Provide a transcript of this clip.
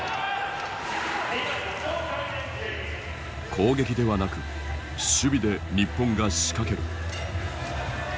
攻撃ではなく守備で日本が仕掛ける。